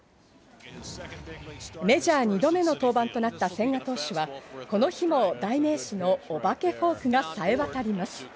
メジャー２度目の登板となった千賀投手は、この日も代名詞のおばけフォークがさえわたります。